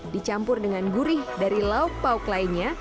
dicampur dengan gurih dari lauk pauk lainnya